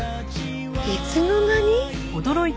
いつの間に？